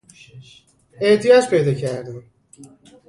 احتیاج پیدا کردن